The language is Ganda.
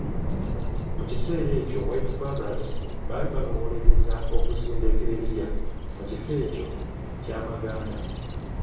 Mu kiseera ekyo White Fathers baali balowoolereza okuzimba eklezia mu kifo ekyo Kyamaganda.